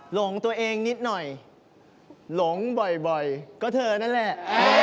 หลงตัวเองนิดหน่อยหลงบ่อยก็เธอนั่นแหละ